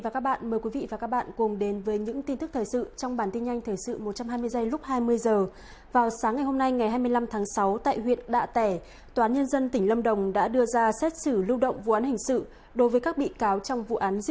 các bạn hãy đăng ký kênh để ủng hộ kênh của chúng mình nhé